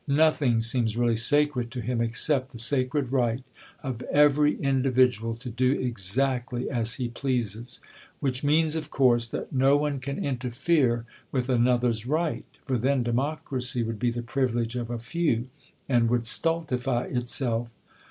Nothing seems really sacred to him except the sacred right of every individual to do exactly as he pleases; which means, of course, that no one can interfere with another's right, for then democracy would be the privilege of a few, and would stultify itself.